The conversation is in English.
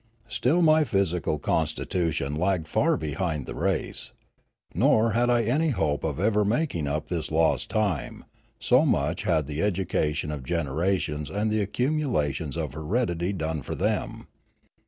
Still my physical constitution lagged far behind the race. Nor bad I any hope of ever making up this lost time, so much had the education of generations and the accumulations of heredity done for them.